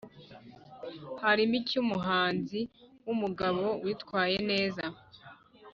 harimo icy’umuhanzi w’umugabo witwaye neza